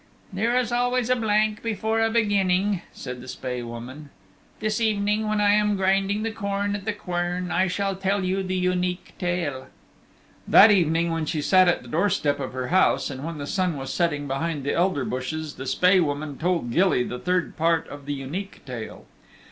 "There is always a blank before a beginning," said the Spae Woman. "This evening, when I am grinding the corn at the quern I shall tell you the Unique Tale." That evening when she sat at the door step of her house and when the sun was setting behind the elder bushes the Spae Woman told Gilly the third part of the Unique Tale.